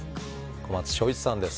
小松正一さんです